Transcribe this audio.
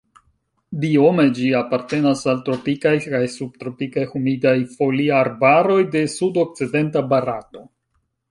Biome ĝi apartenas al tropikaj kaj subtropikaj humidaj foliarbaroj de sudokcidenta Barato.